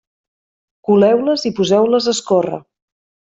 Coleu-les i poseu-les a escórrer.